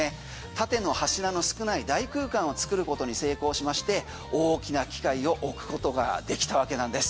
縦の柱の少ない大空間を作ることに成功しまして大きな機械を置くことができたわけなんです。